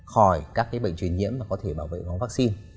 khỏi các cái bệnh truyền nhiễm mà có thể bảo vệ bằng vaccine